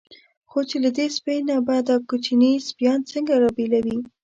خو چې له دې سپۍ نه به دا کوچني سپیان څنګه را بېلوي.